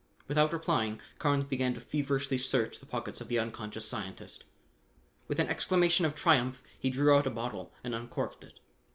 Without replying, Carnes began to feverishly search the pockets of the unconscious scientist. With an exclamation of triumph he drew out a bottle and uncorked it.